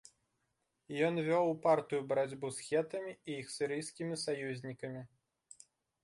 Ён вёў упартую барацьбу з хетамі і іх сірыйскімі саюзнікамі.